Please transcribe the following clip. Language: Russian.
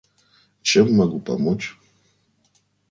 Чем могу помочь?